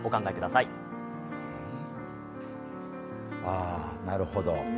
ああ、なるほど。